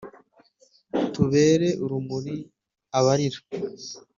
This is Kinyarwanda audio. tubere urumuri abarira